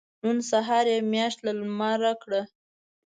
نن سهار يې مياشت له لمره کړه.